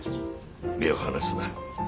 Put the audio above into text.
目を離すな。